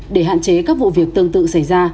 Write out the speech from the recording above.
để hạn chế các vụ việc tương tự xảy ra